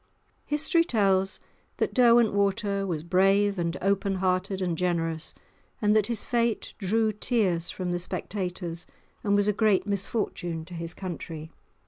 History tells that Derwentwater was brave and open hearted and generous, and that his fate drew tears from the spectators, and was a great misfortune to his country.